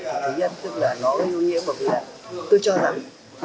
thứ nhất tức là nó gây ô nhiễm bởi vì là tôi cho rằng